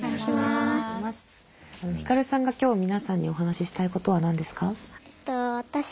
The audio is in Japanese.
ひかるさんが今日皆さんにお話ししたいことは何ですか？